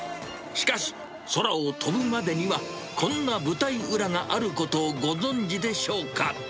しかし、空を飛ぶまでには、こんな舞台裏があることをご存じでしょうか。